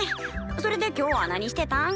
それで今日は何してたん？